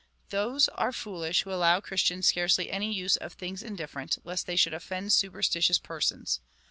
Those are foolish, who allow Christians scarcely any use of things indifterent, lest they should offend superstitious persons.